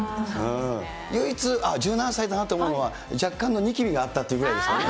唯一、あっ、１７歳だなと思うのは、若干のにきびがあったというところですかね。